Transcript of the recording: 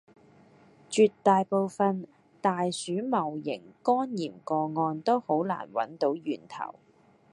絕大部份大鼠戊型肝炎個案都好難搵到源頭